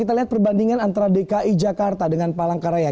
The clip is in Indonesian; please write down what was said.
kita lihat perbandingan antara dki jakarta dengan palangkaraya